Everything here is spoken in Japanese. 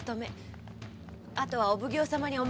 あとはお奉行様にお任せ致します。